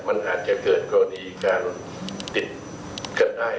มันอาจจะเกิดกรณีการติดกันได้